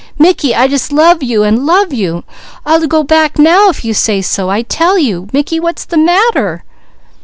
Mickey, I jus' love you an' love you. I'll go back now if you say so, I tell you. Mickey what's the matter?"